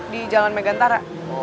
di jalan megantara